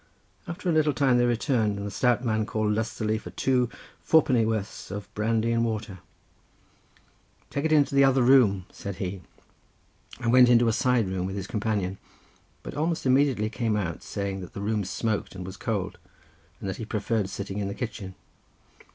After a little time they returned, and the stout man called lustily for two fourpennyworths of brandy and water—"Take it into the other room!" said he, and went into a side room with his companion, but almost immediately came out saying that the room smoked and was cold, and that he preferred sitting in the kitchen.